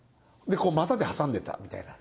でこう股で挟んでたみたいな。